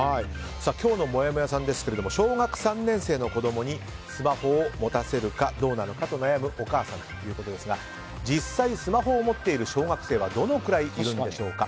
今日のもやもやさんですが小学３年生の子供にスマホを持たせるかどうなのかと悩むお母さんということですが実際スマホを持っている小学生はどのくらいいるんでしょうか。